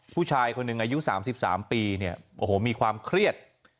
ผู้ชายคนหนึ่งอายุ๓๓ปีเนี่ยโอ้โหมีความเครียด